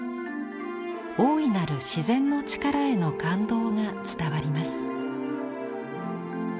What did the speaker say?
大いなる自然の力への感動が伝わります。